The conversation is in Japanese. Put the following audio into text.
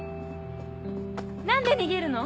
何で逃げるの⁉